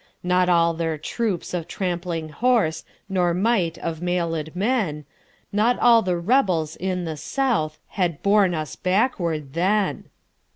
Not all their troops of trampling horse, Nor might of mailed men, Not all the rebels in the southHad borne us backwards then!